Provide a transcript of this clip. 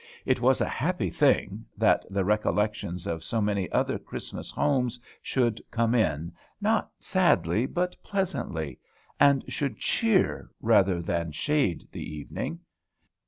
It was a happy thing, that the recollections of so many other Christmas homes should come in, not sadly, but pleasantly, and should cheer, rather than shade the evening.